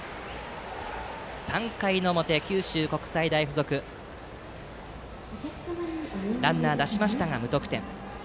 ３回の表、九州国際大付属ランナー出しましたが無得点。